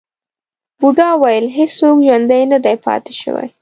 بوډا وویل هیڅوک ژوندی نه دی پاتې شوی.